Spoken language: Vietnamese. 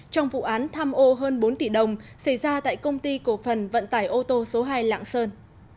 trong vụ án tham ô hơn bốn tỷ đồng xảy ra tại công ty cổ phần vận tải ô tô số hai lạng sơn